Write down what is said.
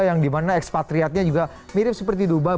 yang di mana ekspatriatnya juga mirip seperti dubai